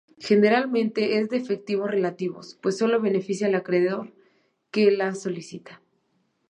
Generalmente es de efectos relativos, pues sólo beneficia al acreedor que la solicita.